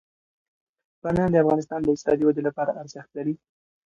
بامیان د افغانستان د اقتصادي ودې لپاره ارزښت لري.